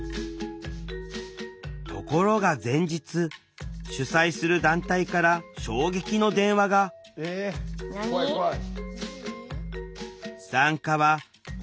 ところが前日主催する団体から衝撃の電話がえ怖い怖い。何？